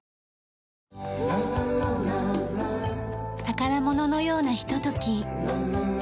宝物のようなひととき。